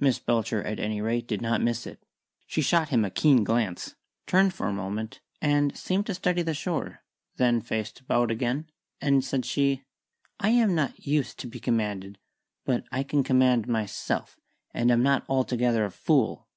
Miss Belcher, at any rate, did not miss it. She shot him a keen glance, turned for a moment, and seemed to study the shore, then faced about again, and said she "I am not used to be commanded. But I can command myself, and am not altogether a fool."